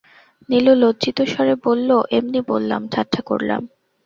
নীলু লজ্জিত স্বরে বলল, এমনি বললাম, ঠাট্টা করলাম।